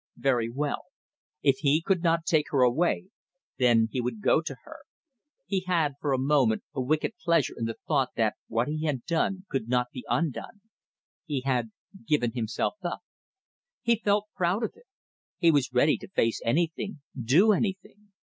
Very well. If he could not take her away, then he would go to her. ... He had, for a moment, a wicked pleasure in the thought that what he had done could not be undone. He had given himself up. He felt proud of it. He was ready to face anything, do anything.